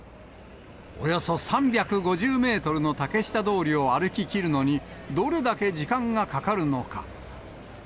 およそ３５０メートルの竹下通りを歩ききるのに、どれだけ時間がかかるのか。